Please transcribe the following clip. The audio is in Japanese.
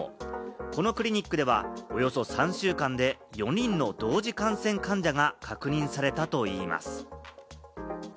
このクリニックではおよそ３週間で、４人の同時感染患者が確認されたといいます。